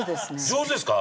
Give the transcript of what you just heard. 上手ですか？